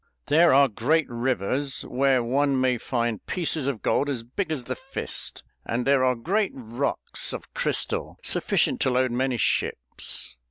"There are great rivers where one may find pieces of gold as big as the fist; and there are great rocks of crystal, sufficient to load many ships."